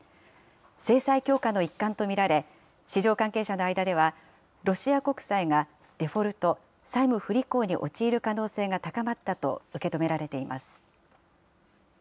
制裁強化の一環と見られ、市場関係者の間では、ロシア国債がデフォルト・債務不履行に陥る可能性が高まったと受け止められています。